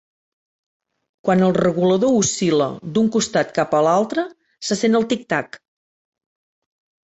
Quan el regulador oscil·la d'un costat cap a l'altre, se sent el tic-tac.